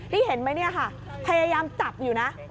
นี่เห็นไหมเนี่ยค่ะพยายามจับอยู่นะ